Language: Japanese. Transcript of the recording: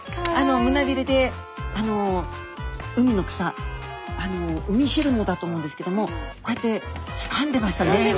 胸ビレで海の草ウミヒルモだと思うんですけどもこうやってつかんでましたね。